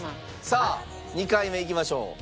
さあ２回目いきましょう。